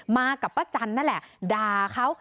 มากับป้าจันทร์นั่นแหละด่าเขา